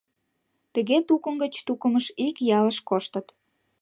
Тыге тукым гыч тукымыш ик ялыш коштыт.